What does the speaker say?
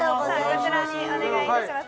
こちらにお願いいたします